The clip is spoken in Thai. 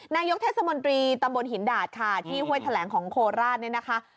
นายกเทศมนตรีตำบลหินดาดค่ะที่ห้วยแถลงของโคราชเนี่ยนะคะ